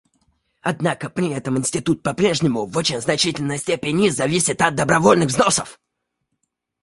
Однако при этом Институт по-прежнему в очень значительной степени зависит от добровольных взносов.